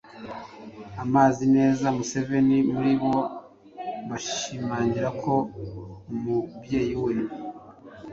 Abazi neza Museveni muri bo bashimangira ko umubyeyi we